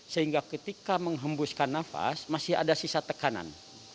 sehingga ketika menghembuskan nafas masih ada sisa tekanan